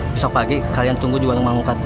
besok pagi kalian tunggu jualan emang muka